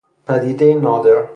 پدیدهی نادر